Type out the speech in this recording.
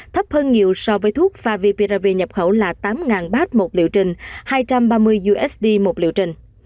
thấp hơn nhiều so với thuốc faviprav nhập khẩu là tám bát một liệu trình hai trăm ba mươi usd một liệu trình